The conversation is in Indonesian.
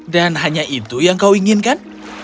dan hanya itu yang kau inginkan